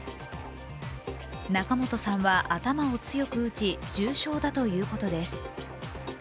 仲本さんは頭を強く打ち、重傷だということです。